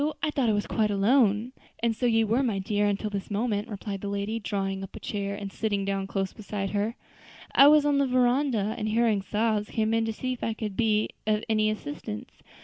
I thought I was quite alone." "And so you were, my dear, until this moment" replied the lady, drawing up a chair, and sitting down close beside her. "I was on the veranda, and hearing sobs, came in to see if I could be of any assistance.